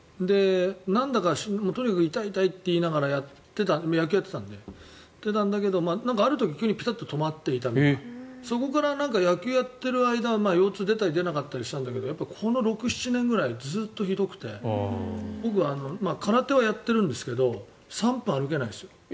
なんだかとにかく痛い、痛いって言いながら野球をやってたんだけどある時、急にピタッと痛みが止まってそこから野球をやっている間は腰痛が出たり出なかったりしたんだけどやっぱりこの６７年ずっとひどくて僕、空手はやってるんですが歩けないです。